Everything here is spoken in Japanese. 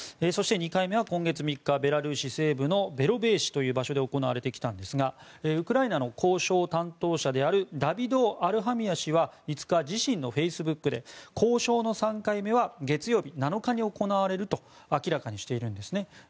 そして２回目は今月３日ベラルーシ西部のベロベーシという場所で行われてきたんですがウクライナの交渉担当者であるダビド・アルハミア氏は５日、自身のフェイスブックで交渉の３回目は月曜日７日に行われると明らかにしているんですね。